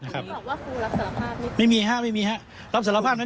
ครูบอกว่าครูรับสารภาพนี้